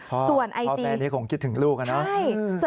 พอแม่น้ีก็คงคิดถึงลูกละเนอะ